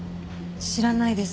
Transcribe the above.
知らないです。